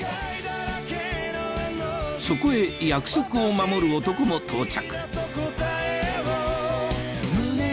そこへ約束を守る男も到着